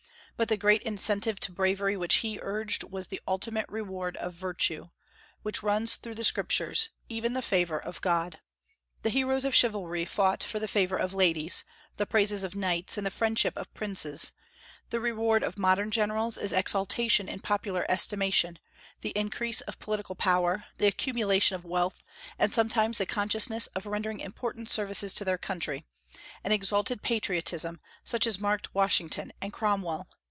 But the great incentive to bravery which he urged was the ultimate reward of virtue, which runs through the Scriptures, even the favor of God. The heroes of chivalry fought for the favor of ladies, the praises of knights, and the friendship of princes; the reward of modern generals is exaltation in popular estimation, the increase of political power, the accumulation of wealth, and sometimes the consciousness of rendering important services to their country, an exalted patriotism, such as marked Washington and Cromwell.